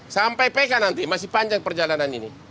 sampai peka nanti masih panjang perjalanan ini